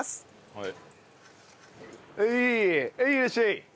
はい。